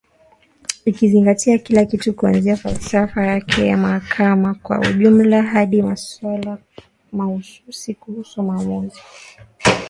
ikizingatia kila kitu kuanzia falsafa yake ya mahakama kwa ujumla hadi maswali mahususi kuhusu maamuzi ambayo aliyatoa